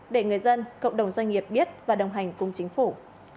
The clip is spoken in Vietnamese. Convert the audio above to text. để người dân cộng đồng doanh nghiệp biết và đồng hành cùng chính phủ